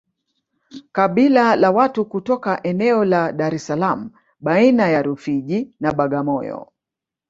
kabila la watu kutoka eneo la Dar es Salaam baina ya Rufiji na Bagamoyo